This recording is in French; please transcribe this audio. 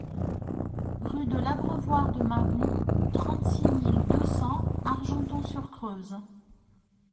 Rue de l'Abreuvoir de Maroux, trente-six mille deux cents Argenton-sur-Creuse